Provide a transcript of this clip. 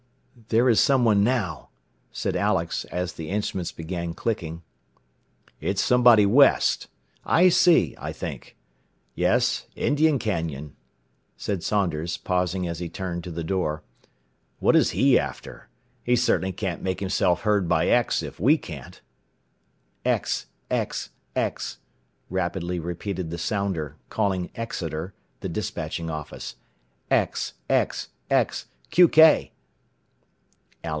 "There is someone now," said Alex, as the instruments began clicking. "It's somebody west. IC, I think. Yes; Indian Canyon," said Saunders, pausing as he turned to the door. "What is he after? He certainly can't make himself heard by X if we can't." "X, X, X," rapidly repeated the sounder, calling Exeter, the despatching office. "X, X, X! Qk!"